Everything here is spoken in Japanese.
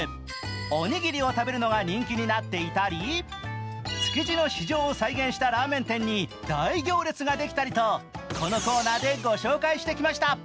おにぎりを食べるのが人気になっていたり築地の市場を再現したラーメン店に大行列ができたりと、このコーナーでご紹介してきました。